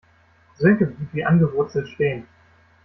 Sönke blieb wie angewurzelt stehen.